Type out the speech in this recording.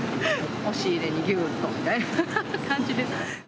押し入れにぎゅーっとみたいな感じですかね。